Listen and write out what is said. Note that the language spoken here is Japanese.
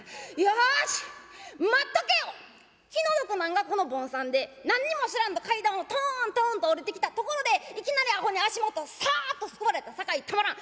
気の毒なんがこの坊さんで何にも知らんと階段をトントンと下りてきたところでいきなりアホに足元をサッとすくわれたさかいたまらん。